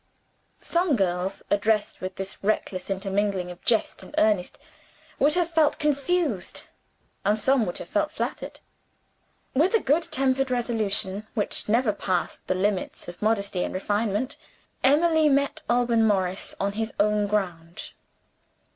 Some girls, addressed with this reckless intermingling of jest and earnest, would have felt confused, and some would have felt flattered. With a good tempered resolution, which never passed the limits of modesty and refinement, Emily met Alban Morris on his own ground.